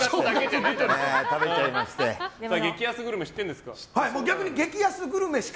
激安グルメ知ってるんですか？